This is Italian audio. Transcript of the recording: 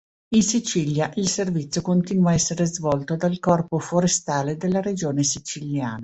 In Sicilia il servizio continua a essere svolto dal Corpo forestale della Regione siciliana.